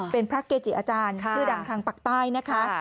เป็นพระเกจิอาจารย์ชื่อดังทางปากใต้นะคะ